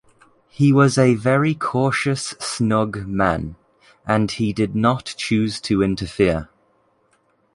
He was a very cautious snug man, and he did not choose to interfere.